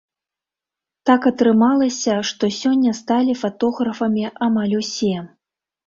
Так атрымалася, што сёння сталі фатографамі амаль усе.